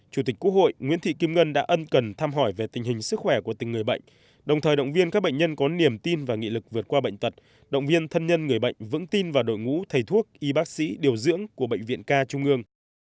chủ tịch quốc hội nguyễn thị kim ngân đã ân cần thăm hỏi về tình hình sức khỏe của từng người bệnh đồng thời động viên các bệnh nhân có niềm tin và nghị lực vượt qua bệnh tật động viên thân nhân người bệnh vững tin vào đội ngũ thầy thuốc y bác sĩ điều dưỡng của bệnh viện ca trung ương